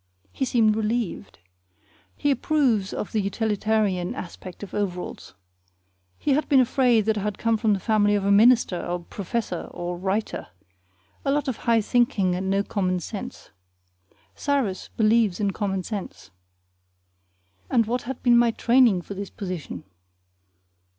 He seemed relieved. He approves of the utilitarian aspect of overalls. He had been afraid that I had come from the family of a minister or professor or writer, a lot of high thinking and no common sense. Cyrus believes in common sense. And what had been my training for this position?